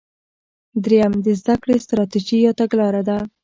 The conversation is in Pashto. دریم د زده کړې ستراتیژي یا تګلاره ده.